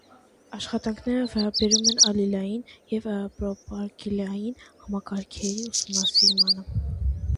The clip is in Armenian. Աշխատանքները վերաբերում են ալիլային և պրոպարգիլային համակարգերի ուսումնասիրմանը։